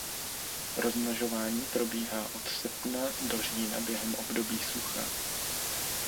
Rozmnožování probíhá od srpna do října během období sucha.